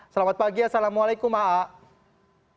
selamat pagi ya assalamualaikum a'agim